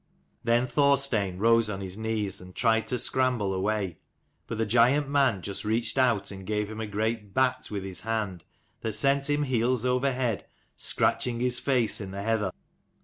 Then Thorstein rose on his knees and tried to scramble away, but the giant man just reached out and gave him a great batt with his hand, that sent him heels over head, scratching his face in the heather.